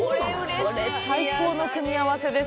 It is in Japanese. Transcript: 最高の組み合わせです。